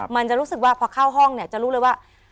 มันจะรู้สึกว่าพอเข้าห้องเนี่ยจะรู้เลยว่า